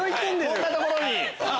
こんな所に！